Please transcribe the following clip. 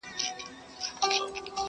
ځيني يې هنر بولي لوړ،